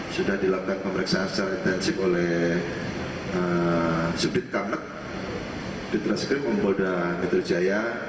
sudah dilakukan pemeriksaan secara intensif oleh subdit kamnek di transkrim polda metro jaya